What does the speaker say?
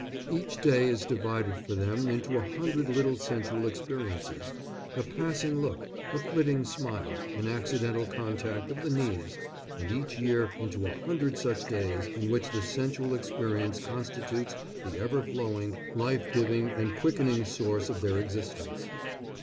Each day is divided for them into a hundred little sensual experiences a passing look, a flitting smile, an accidental contact of the knees and each year into a hundred such days, in which the sensual experience constitutes the ever flowing, life giving and quickening source of their existence.